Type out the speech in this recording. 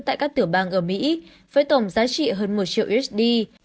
tại các tiểu bang ở mỹ với tổng giá trị hơn một triệu usd